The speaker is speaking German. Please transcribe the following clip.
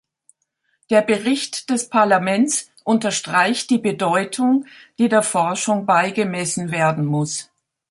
Der Bericht des Parlaments unterstreicht die Bedeutung, die der Forschung beigemessen werden muss.